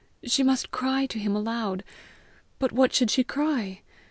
She must cry to him aloud, but what should she cry?